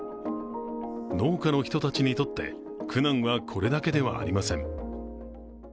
農家の人たちにとって苦難はこれだけではありません。